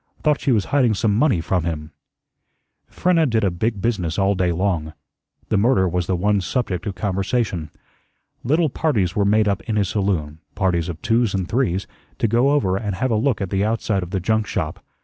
Thought she was hiding some money from him." Frenna did a big business all day long. The murder was the one subject of conversation. Little parties were made up in his saloon parties of twos and threes to go over and have a look at the outside of the junk shop.